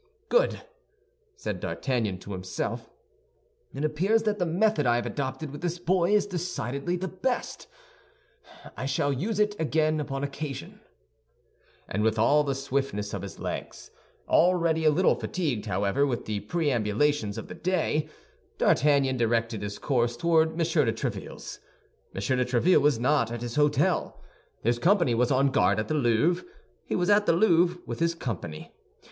"Good!" said D'Artagnan to himself. "It appears that the method I have adopted with this boy is decidedly the best. I shall use it again upon occasion." And with all the swiftness of his legs, already a little fatigued, however, with the perambulations of the day, D'Artagnan directed his course toward M. de Tréville's. M. de Tréville was not at his hôtel. His company was on guard at the Louvre; he was at the Louvre with his company.